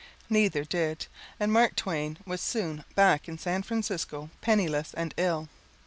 Neither did, and Mark Twain was soon back in San Francisco penniless and ill.